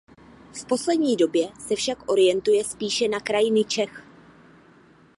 V poslední době se však orientuje spíše na krajiny Čech.